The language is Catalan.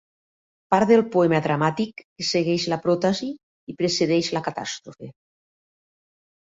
Part del poema dramàtic que segueix la pròtasi i precedeix la catàstrofe.